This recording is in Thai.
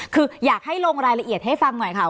คืออยากให้ลงรายละเอียดให้ฟังหน่อยค่ะ